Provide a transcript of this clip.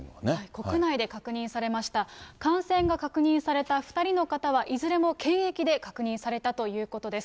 国内で確認されました、感染が確認された２人の方はいずれも検疫で確認されたということです。